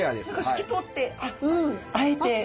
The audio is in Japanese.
透き通ってあっあえて。